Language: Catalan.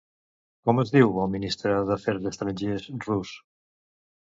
Com es diu el ministre d'Afers Estrangers rus?